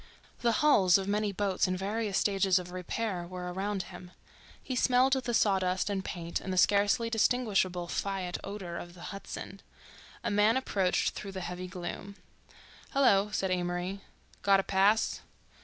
The hulls of many boats in various stages of repair were around him; he smelled sawdust and paint and the scarcely distinguishable fiat odor of the Hudson. A man approached through the heavy gloom. "Hello," said Amory. "Got a pass?"